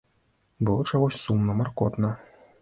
Было чагось сумна, маркотна.